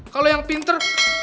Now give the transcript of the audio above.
kalau yang pinter